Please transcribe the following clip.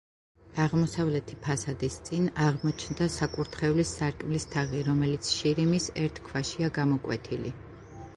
აღმოსავლეთი ფასადის წინ აღმოჩნდა საკურთხევლის სარკმლის თაღი, რომელიც შირიმის ერთ ქვაშია გამოკვეთილი.